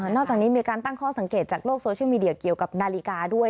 นอกจากนี้มีการตั้งข้อสังเกตจากโลกโซเชียลมีเดียเกี่ยวกับนาฬิกาด้วย